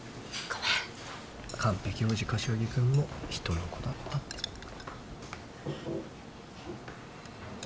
完璧王子柏木君も人の子だったってことよ。